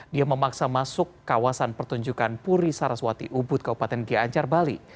dia memaksa masuk kawasan pertunjukan puri saraswati ubud kabupaten gianyar bali